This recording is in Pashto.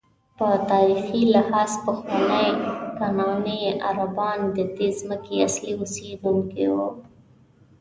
په تاریخي لحاظ پخواني کنعاني عربان ددې ځمکې اصلي اوسېدونکي وو.